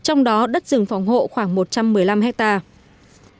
trong đó đất rừng phòng hộ khoảng một trăm một mươi năm hectare